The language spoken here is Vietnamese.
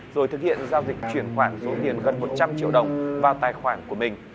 rồi thực hiện giao dịch chuyển khoản số tiền gần một trăm linh triệu đồng vào tài khoản của mình